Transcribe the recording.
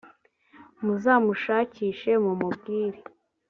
muzamushakishe mumumbwire